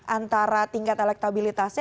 antara tingkat elektabilitasnya